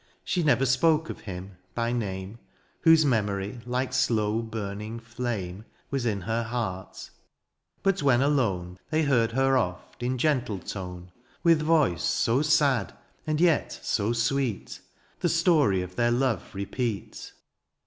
She never spoke of him, by name. Whose memory like slow burning flame Was in her heart — ^but when alone They heard her oft in gentle tone. 80 DIONYSIUS, With voice so sad, and yet so sweet. The story of their love repeat.